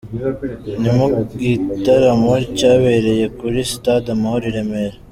Ni mu gitaramo cyabereye kuri Stade Amahoro i Remera.